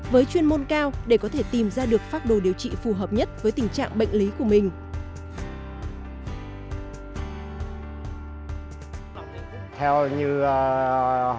với chuyên môn cao để có thể tìm ra được phác đồ điều trị phù hợp nhất với tình trạng bệnh lý của mình